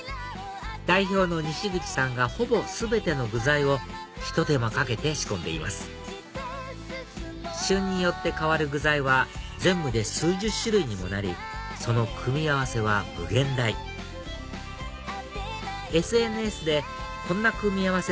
代表の西口さんがほぼ全ての具材をひと手間かけて仕込んでいます旬によって替わる具材は全部で数十種類にもなりその組み合わせは無限大ＳＮＳでこんな組み合わせ